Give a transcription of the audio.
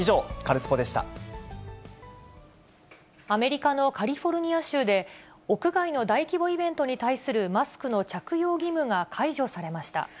アメリカのカリフォルニア州で、屋外の大規模イベントに対するマスクの着用義務が解除されました。